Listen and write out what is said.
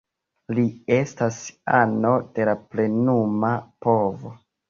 Li estas ano de la plenuma povo.